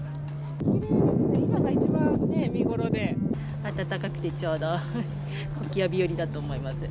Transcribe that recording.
きれいですね、今が一番ね、暖かくてちょうどコキア日和だと思います。